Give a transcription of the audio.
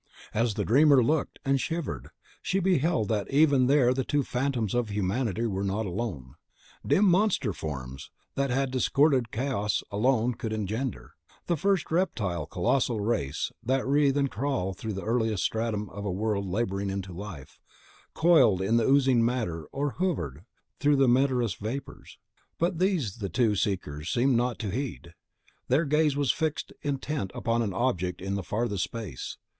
As the dreamer looked, and shivered, she beheld that even there the two phantoms of humanity were not alone. Dim monster forms that that disordered chaos alone could engender, the first reptile Colossal race that wreathe and crawl through the earliest stratum of a world labouring into life, coiled in the oozing matter or hovered through the meteorous vapours. But these the two seekers seemed not to heed; their gaze was fixed intent upon an object in the farthest space.